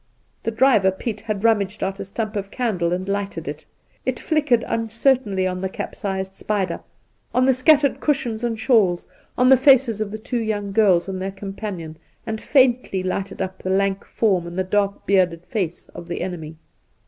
The driver Piet had rummaged out a stump of candle, and lighted it. It flickered uncertainly on the caipsized spider, on the scattered cushions and shawls, on the faces of the two young girls and their companion, and faintly lighted up the lank form and the dark bearded face of the enemy.